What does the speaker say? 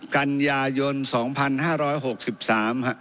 กันยายน๒๕๖๓ฮะ